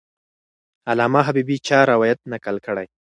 علامه حبیبي چا روایت نقل کړی؟